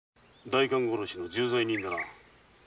代官殺しの重罪人だな。